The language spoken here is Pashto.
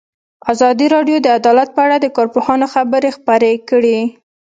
ازادي راډیو د عدالت په اړه د کارپوهانو خبرې خپرې کړي.